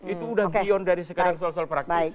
itu udah beyond dari sekadar sosial praktis